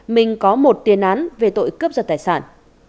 minh có một tiền án về tội cướp giật tài sản